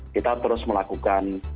kita terus melakukan